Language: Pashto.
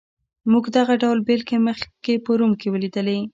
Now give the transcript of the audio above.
موږ دغه ډول بېلګې مخکې په روم کې ولیدلې.